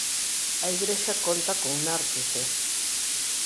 A igrexa conta cun nártice.